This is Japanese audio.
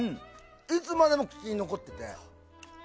いつまでも口に残ってて。